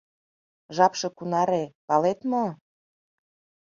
Жапше кунаре, палет мо?